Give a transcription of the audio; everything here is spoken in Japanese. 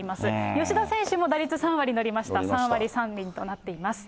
吉田選手も打率３割乗りました、３割３厘となっています。